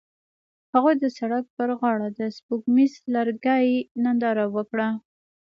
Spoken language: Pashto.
هغوی د سړک پر غاړه د سپوږمیز لرګی ننداره وکړه.